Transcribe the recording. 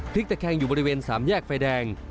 ตะแคงอยู่บริเวณสามแยกไฟแดง